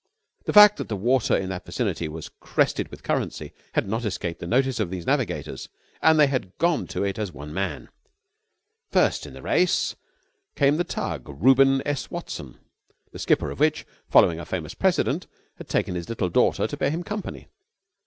The fact that the water in that vicinity was crested with currency had not escaped the notice of these navigators and they had gone to it as one man. First in the race came the tug Reuben S. Watson, the skipper of which, following a famous precedent, had taken his little daughter to bear him company.